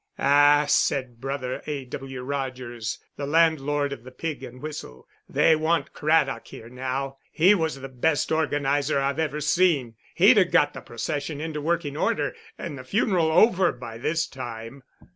"Ah," said Brother A. W. Rogers (the landlord of the Pig and Whistle), "they want Craddock here now. He was the best organiser I've ever seen; he'd have got the procession into working order and the funeral over by this time."